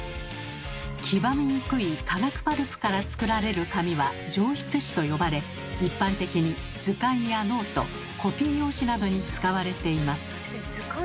黄ばみにくい化学パルプから作られる紙は「上質紙」と呼ばれ一般的に図鑑やノートコピー用紙などに使われています。